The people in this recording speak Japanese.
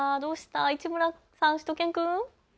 市村さん、しゅと犬くん。